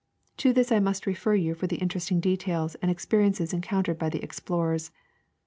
To this I must refer you for the interesting details, and experiences en countered by the explorers.